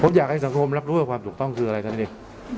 ผมอยากให้สังคมรับรู้ว่าความถูกต้องคืออะไรท่านเนี่ย